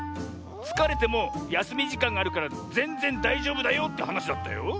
つかれてもやすみじかんがあるからぜんぜんだいじょうぶだよってはなしだったよ。